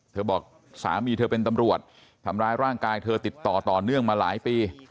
บอกสามีเธอเป็นตำรวจทำร้ายร่างกายเธอติดต่อต่อเนื่องมาหลายปี